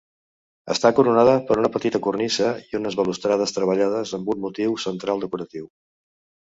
Està coronada per una petita cornisa i unes balustrades treballades amb un motiu central decoratiu.